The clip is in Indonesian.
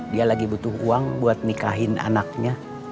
dia lagi butuh uang buat nikahin anaknya